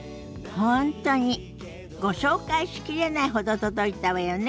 本当にご紹介しきれないほど届いたわよね。